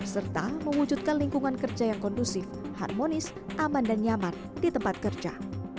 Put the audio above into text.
serta mewujudkan lingkungan kerja yang kondusif harmonis aman dan nyaman di tempat kerja